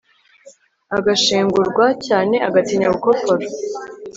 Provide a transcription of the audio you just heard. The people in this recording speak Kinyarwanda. agashengurwa cyaneagatinya gukopfora